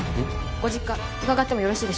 ご実家伺ってもよろしいでしょうか？